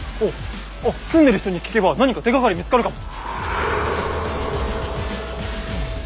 あっ住んでる人に聞けば何か手がかり見つかるかも。